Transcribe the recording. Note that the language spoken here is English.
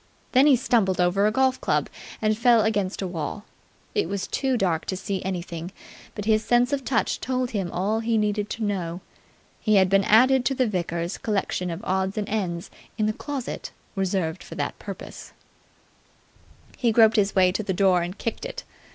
Then he stumbled over a golf club and fell against a wall. It was too dark to see anything, but his sense of touch told him all he needed to know. He had been added to the vicar's collection of odds and ends in the closet reserved for that purpose. He groped his way to the door and kicked it.